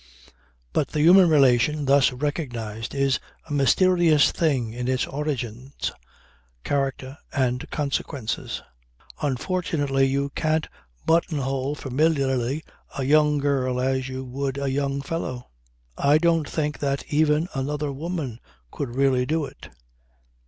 But the human relation thus recognized is a mysterious thing in its origins, character and consequences. Unfortunately you can't buttonhole familiarly a young girl as you would a young fellow. I don't think that even another woman could really do it.